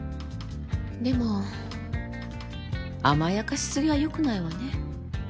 でも甘やかしすぎはよくないわね。